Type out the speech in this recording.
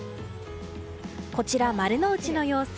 こちら丸の内の様子